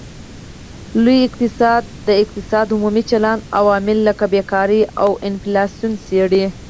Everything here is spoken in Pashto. لوی اقتصاد د اقتصاد عمومي چلند او عوامل لکه بیکاري او انفلاسیون څیړي